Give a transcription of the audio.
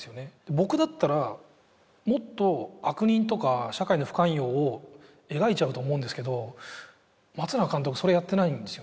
僕だったらもっと悪人とか社会の不寛容を描いちゃうと思うんですけど松永監督それやってないんですよね